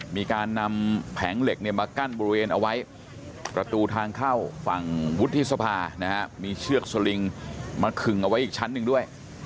มีการนำแผงเหล็กมากั้นบริเวณเอาไว้ประตูทางเข้าฝั่งวุฒิสภามีเชือกสลิงมาขึงเอาไว้อีกชั้นหนึ่งด้วย